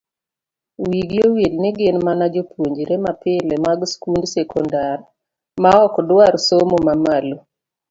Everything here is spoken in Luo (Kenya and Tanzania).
Wigi owil ni gin mana jopuonjre mapile mag skund sekondari maok dwar somo mamalo.